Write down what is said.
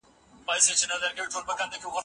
سم تعلیم ټولنه بدلوي.